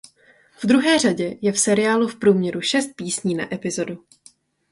V druhé řadě je v seriálu v průměru šest písní na epizodu.